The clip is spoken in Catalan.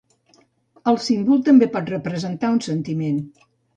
El símbol també pot representar un sentiment.